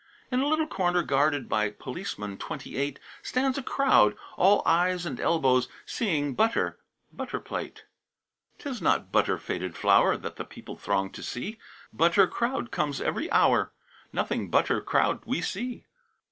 In a little corner, guarded By Policeman Twenty eight, Stands a crowd, all eyes and elbows, Seeing butter butter plate II. "'Tis not 'butter faded flower' That the people throng to see, Butter crowd comes every hour, Nothing butter crowd we see.